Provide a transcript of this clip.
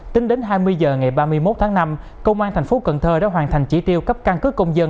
tính đến hai mươi h ngày ba mươi một tháng năm công an tp cn đã hoàn thành chỉ triêu cấp căn cứ công dân